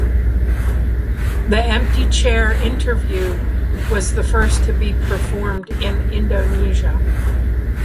The empty chair interview was the first to be performed in Indonesia.